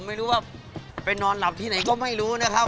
ไม่รู้ว่าไปนอนหลับที่ไหนก็ไม่รู้นะครับ